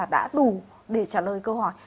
đã đủ để trả lời câu hỏi